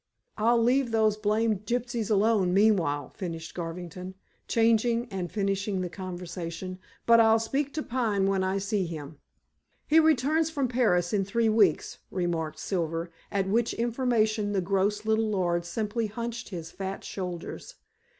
"I'll leave those blamed gypsies alone meanwhile," finished Garvington, changing and finishing the conversation. "But I'll speak to Pine when I see him." "He returns from Paris in three weeks," remarked Silver, at which information the gross little lord simply hunched his fat shoulders.